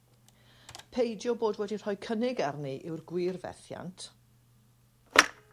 Peidio bod wedi rhoi cynnig arni yw'r gwir fethiant.